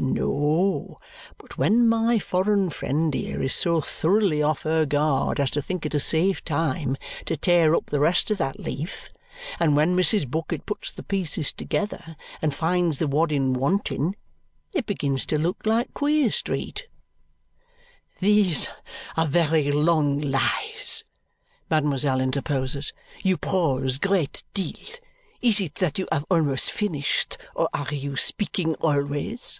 No. But when my foreign friend here is so thoroughly off her guard as to think it a safe time to tear up the rest of that leaf, and when Mrs. Bucket puts the pieces together and finds the wadding wanting, it begins to look like Queer Street." "These are very long lies," mademoiselle interposes. "You prose great deal. Is it that you have almost all finished, or are you speaking always?"